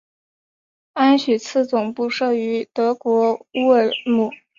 安许茨总部设于德国乌尔姆。